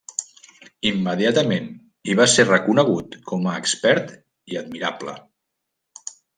Immediatament hi va ser reconegut com a expert i admirable.